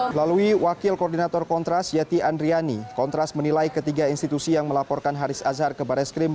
melalui wakil koordinator kontras yati andriani kontras menilai ketiga institusi yang melaporkan haris azhar ke baris krim